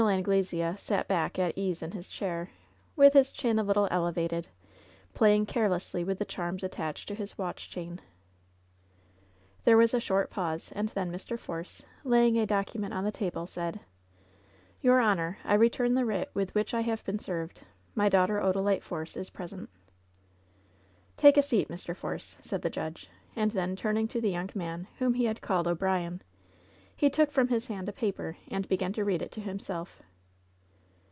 Anglesea sat back at ease in his chair, with his chin a little elevated, playing carelessly with the charms attached to his watch chain. There was a short pause, and then Mr. Force, lay ing a document on the table, said : "Your honor, I return the writ with which I have been served. My daughter, Odalite Force, is present '* "Take a seat, Mr. Force," said the judge, and then, turning to the young man whom he had called O'Brien, he took from his hand a paper and began to read it to himself.